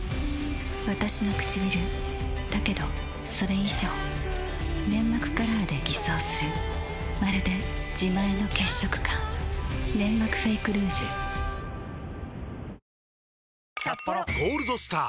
わたしのくちびるだけどそれ以上粘膜カラーで偽装するまるで自前の血色感「ネンマクフェイクルージュ」「ゴールドスター」！